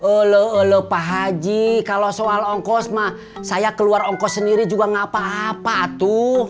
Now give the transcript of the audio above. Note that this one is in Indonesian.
olo olo pak haji kalau soal ongkos mah saya keluar ongkos sendiri juga gak apa apa tuh